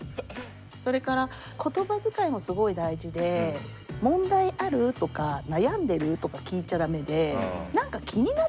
それから言葉遣いもすごい大事で「問題ある？」とか「悩んでる？」とか聞いちゃ駄目で。